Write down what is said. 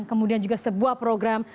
kemudian juga sebuah program